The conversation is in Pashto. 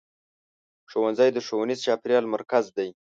ښوونځی د ښوونیز چاپېریال مرکز دی.